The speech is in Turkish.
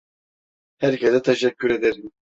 Herkese teşekkür ederim.